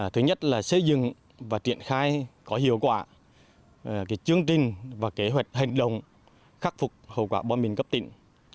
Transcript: thứ nhất là xây dựng và triển khai có hiệu quả chương trình và kế hoạch hành động khắc phục hậu quả bom mìn cấp tỉnh